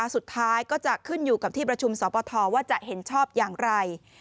สุดท้ายก็จะขึ้นอยู่กับที่ประชุมสปทว่าจะเห็นชอบอย่างไร